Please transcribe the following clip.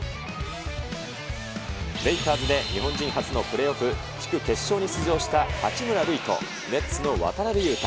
レイカーズで日本人初のプレーオフ地区決勝に出場した八村塁と、ネッツの渡邊雄太。